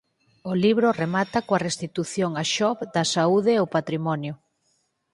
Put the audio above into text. O libro remata coa restitución a Xob da saúde e o patrimonio.